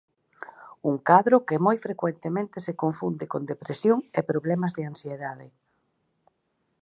Un cadro que moi frecuentemente se confunde con depresión e problemas de ansiedade.